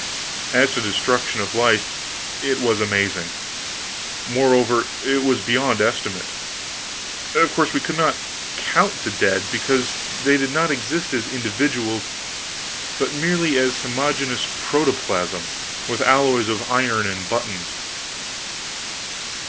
As to destruction of life, it was amazing. Moreover, it was beyond estimate. Of course, we could not count the dead, because they did not exist as individuals, but merely as homogeneous protoplasm, with alloys of iron and buttons.